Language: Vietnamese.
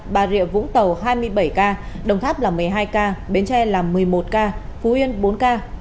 bà rịa vũng tàu hai mươi bảy ca đồng tháp là một mươi hai ca bến tre là một mươi một ca phú yên bốn ca